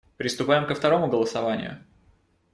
Приступаем ко второму голосованию.